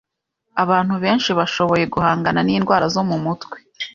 Abantu benshi bashoboye guhangana n’indwara zo mu mutwe